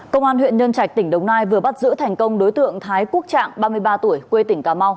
công an huyện nhân trạch tỉnh đồng nai vừa bắt giữ thành công đối tượng thái quốc trạng ba mươi ba tuổi quê tỉnh cà mau